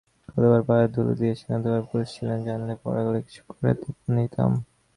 কতবার পায়ের ধুলো দিয়েছেন, এতবড় মহাপুরুষ ছিলেন জানলে পরকালের কিছু কাজ করে নিতাম।